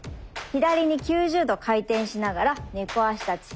左に９０度回転しながら猫足立ち。